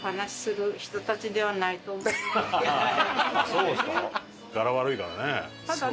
そうですか？